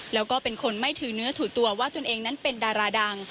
แล้วก็เป็นคนไม่ถือเนื้อถือตัวว่าตนเองนั้นเป็นดาราดัง